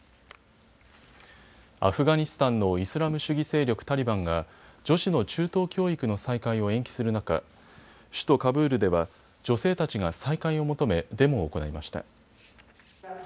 アフガニスタンのイスラム主義勢力タリバンが女子の中等教育の再開を延期する中、首都カブールでは女性たちが再開を求めデモを行いました。